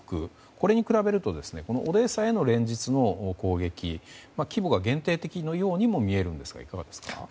これに比べるとオデーサへの連日の攻撃は規模が限定的のように見えますがいかがですか？